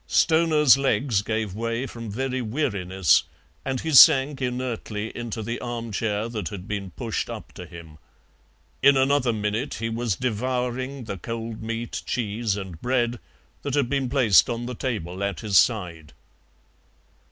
Stoner's legs gave way from very weariness, and he sank inertly into the arm chair that had been pushed up to him. In another minute he was devouring the cold meat, cheese, and bread, that had been placed on the table at his side.